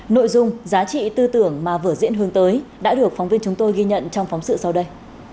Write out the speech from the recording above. nội dung giá trị tư tưởng mà vở diễn hướng tới đã được phóng viên chúng tôi ghi nhận trong phóng sự sau đây